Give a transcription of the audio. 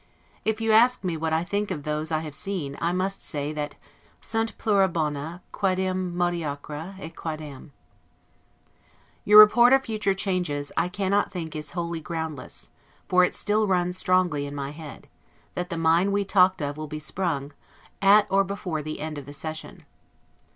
If you ask me what I think of those I have seen, I must say, that 'sunt plura bona, quaedam mediocria, et quaedam ' Your report of future changes, I cannot think is wholly groundless; for it still runs strongly in my head, that the mine we talked of will be sprung, at or before the end of the session.